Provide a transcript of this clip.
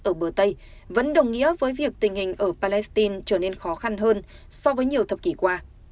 ở bờ tây vẫn đồng nghĩa với việc tình hình ở palestine trở nên khó khăn hơn so với nhiều thập kỷ qua